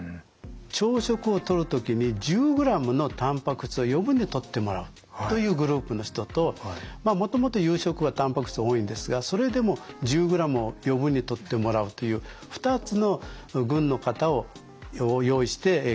朝食をとる時に１０ｇのたんぱく質を余分にとってもらうというグループの人ともともと夕食はたんぱく質多いんですがそれでも１０ｇを余分にとってもらうという２つの群の方を用意して研究をしました。